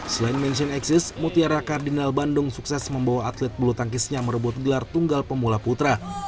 selain mention axis mutiara kardinal bandung sukses membawa atlet bulu tangkisnya merebut gelar tunggal pemula putra